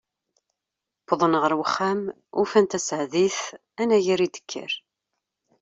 Wwḍen ɣer uxxam, ufan Taseɛdit anagar i d-tekker.